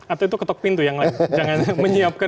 atau itu ketok pintu yang lain